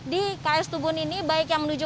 di ks tubun ini baik yang menuju